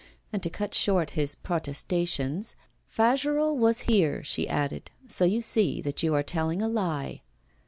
And to cut short his protestations 'Fagerolles was here,' she added, 'so you see that you are telling a lie.